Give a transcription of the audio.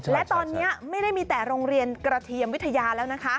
และตอนนี้ไม่ได้มีแต่โรงเรียนกระเทียมวิทยาแล้วนะคะ